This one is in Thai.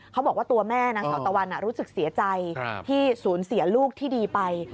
เขาบอกว่าตัวแม่นางสาวตะวันรู้สึกเสียใจที่สูญเสียลูกที่ดีไป